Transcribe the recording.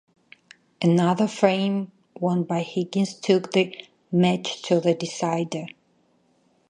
Another frame won by Higgins took the match to the decider.